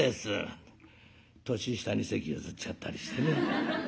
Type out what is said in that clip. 年下に席譲っちゃったりしてね。